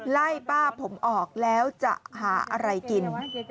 ไล่ป้าผมออกแล้วจะหาอะไรกิน